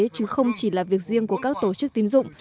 chứ không chỉ là việc riêng của các tổ chức tín dụng